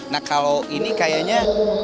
nah kalau ini kayaknya